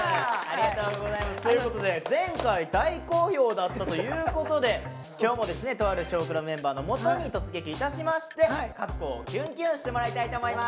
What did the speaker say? ということで前回大好評だったということで今日もですねとある「少クラ」メンバーのもとに突撃いたしまして和子をキュンキュンしてもらいたいと思います。